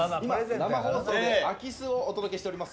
生放送で空き巣をお届けしております。